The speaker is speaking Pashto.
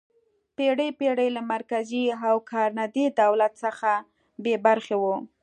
پېړۍ پېړۍ له مرکزي او کارنده دولت څخه بې برخې وه.